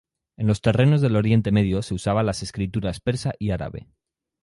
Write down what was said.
En los terrenos del Oriente Medio se usaba las escrituras persa y árabe.